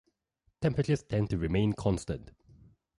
Temperatures tend to remain constant.